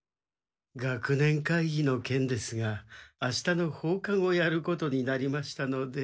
学年会ぎのけんですがあしたの放課後やることになりましたので。